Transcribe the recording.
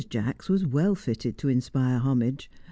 Jacks was well fitted to inspire homage.